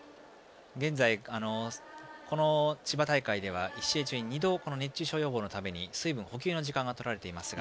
この千葉大会では１試合中に２度熱中症予防のために水分補給の時間がいいですね。